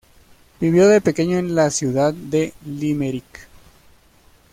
Vivió de pequeño a la ciudad de Limerick.